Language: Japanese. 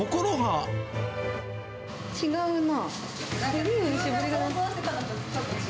違うな。